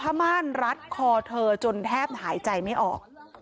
ม่านรัดคอเธอจนแทบหายใจไม่ออก